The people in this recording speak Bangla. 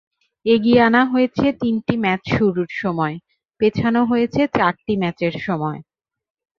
এগিয়ে আনা হয়েছে তিনটি ম্যাচ শুরুর সময়, পেছানো হয়েছে চারটি ম্যাচের সময়।